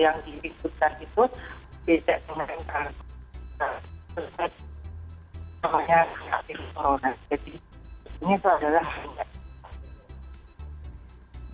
jadi ini itu adalah hal yang